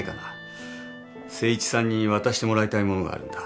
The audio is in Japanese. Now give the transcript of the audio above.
誠一さんに渡してもらいたい物があるんだ。